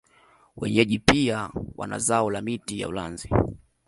Wenyeji pia wana zao la miti ya ulanzi